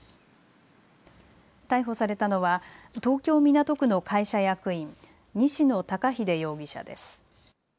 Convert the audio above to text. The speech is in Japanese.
逮捕されたのは東京港区の会社役員、西野高秀容疑者です。